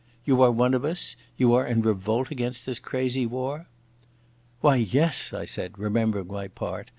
"You are one of us? You are in revolt against this crazy war?" "Why, yes," I said, remembering my part.